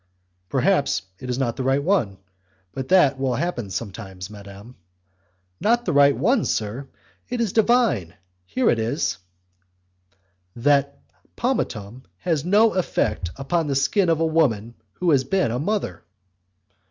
"Perhaps it is not the right one; but that will sometimes happen, madam." "Not the right one, sir? It is divine! Here it is: That pomatum has no effect upon the skin of a woman who has been a mother."